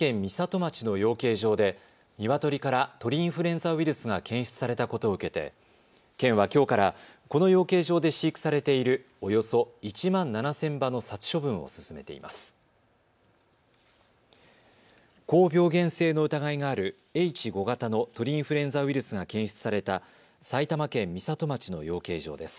町の養鶏場でニワトリから鳥インフルエンザウイルスが検出されたことを受けて県はきょうからこの養鶏場で飼育されているおよそ１万７０００羽の殺処分を進めています。